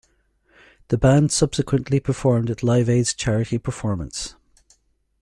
The band subsequently performed at Live Aid's charity performance.